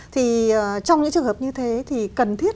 thì trong những trường hợp như thế thì cần thiết